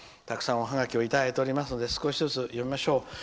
たくさん、おハガキをいただいておりますので少しずつ読みましょう。